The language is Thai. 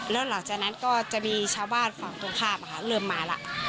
แล้วหลังจากนั้นก็จะมีชาวบ้านฝั่งตรงข้ามเริ่มมาแล้ว